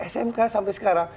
smk sampai sekarang